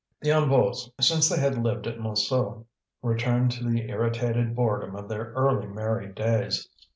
The Hennebeaus, since they had lived at Montsou, returned to the irritated boredom of their early married days.